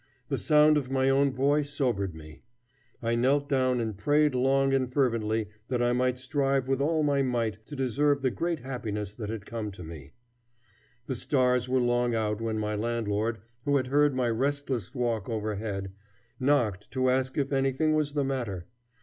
The sound of my own voice sobered me. I knelt down and prayed long and fervently that I might strive with all my might to deserve the great happiness that had come to me. The stars were long out when my landlord, who had heard my restless walk overhead, knocked to ask if anything was the matter.